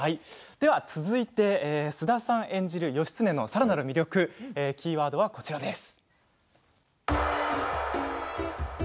続いて菅田さん演じる義経のさらなる魅力キーワードはこちらです。